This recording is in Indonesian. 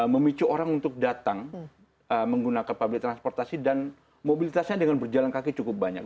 memicu orang untuk datang menggunakan public transportasi dan mobilitasnya dengan berjalan kaki cukup banyak